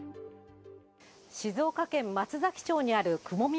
静岡県松崎町にあるくもみ